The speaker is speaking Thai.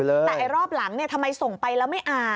แต่รอบหลังทำไมส่งไปแล้วไม่อ่าน